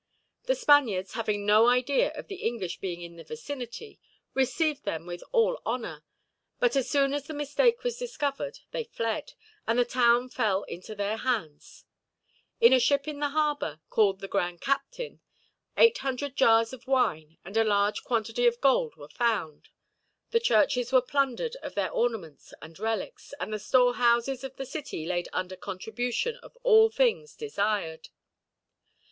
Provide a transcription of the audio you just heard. The Spaniards, having no idea of the English being in the vicinity, received them with all honor; but as soon as the mistake was discovered they fled, and the town fell into their hands. In a ship in the harbor, called the Grand Captain, 1800 jars of wine and a large quantity of gold were found. The churches were plundered of their ornaments and relics, and the storehouses of the city laid under contribution of all things desired.